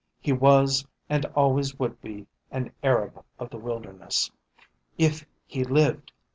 He was and always would be an Arab of the wilderness. If he lived!